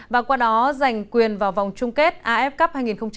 và qua đó giành quyền vào vòng chung kết af cup hai nghìn một mươi tám